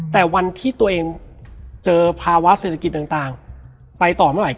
แต่วันที่ตัวเองเจอภาวะเศรษฐกิจต่างไปต่อเมื่อไหร